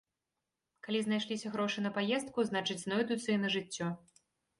Калі знайшліся грошы на паездку, значыць, знойдуцца і на жыццё.